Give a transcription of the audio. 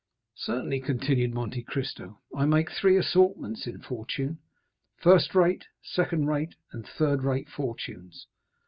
"Certainly," continued Monte Cristo, "I make three assortments in fortune—first rate, second rate, and third rate fortunes.